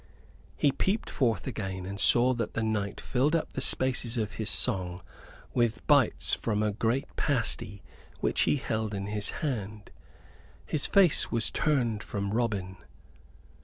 He peeped forth again, and saw that the knight filled up the spaces of his song with bites from a great pasty which he held in his hand. His face was turned from Robin.